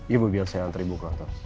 iya bu biar saya antar ibu ke kantor